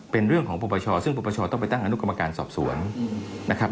เป็นเรื่องของปปชซึ่งปปชต้องไปตั้งอนุกรรมการสอบสวนนะครับ